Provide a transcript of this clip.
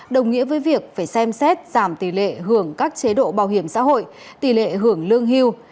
đồng nghĩa với việc phải xem xét giảm tỷ lệ hưởng các chế độ bảo hiểm xã hội tỷ lệ hưởng lương hưu